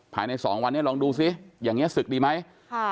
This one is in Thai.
ภายในสองวันนี้ลองดูซิอย่างนี้ศึกดีไหมค่ะ